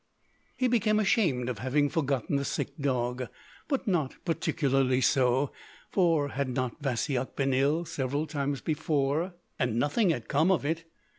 He became ashamed of having forgotten the sick dog—but not particularly so: for had not Vasyuk been ill several times before, and nothing had come of it.